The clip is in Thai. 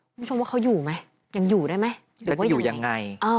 คุณผู้ชมว่าเขาอยู่ไหมยังอยู่ได้ไหม